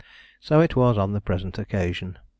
So it was on the present occasion.